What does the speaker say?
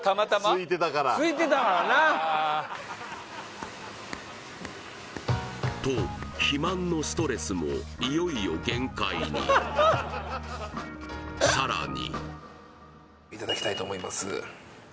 すいてたからと肥満のストレスもいよいよ限界にさらにいただきたいと思います